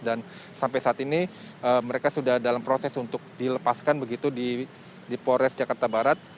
dan sampai saat ini mereka sudah dalam proses untuk dilepaskan begitu di polres jakarta barat